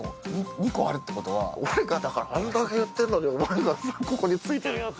２個あるってことは俺がだからあんだけ言ってんのにお前がここについてるやつ！